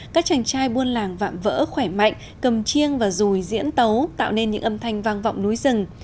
các chàng trai buôn làng vạm vỡ khỏe mạnh cầm chiêng và rùi diễn tấu tạo nên những âm thanh vang vọng núi rừng